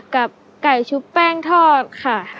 กับไก่ชุบแป้งทอดค่ะ